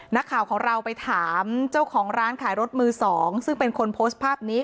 นักข่าวของเราไปถามเจ้าของร้านขายรถมือสองซึ่งเป็นคนโพสต์ภาพนี้